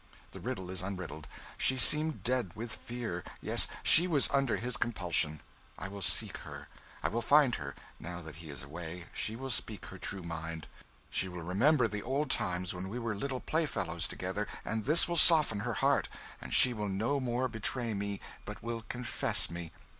The riddle is unriddled. She seemed dead with fear yes, she was under his compulsion. I will seek her; I will find her; now that he is away, she will speak her true mind. She will remember the old times when we were little playfellows together, and this will soften her heart, and she will no more betray me, but will confess me.